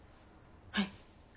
はい。